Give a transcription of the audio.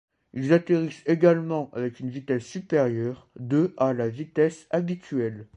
Ils atterrissent également avec une vitesse supérieure de à la vitesse habituelle.